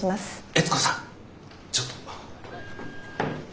悦子さんちょっと。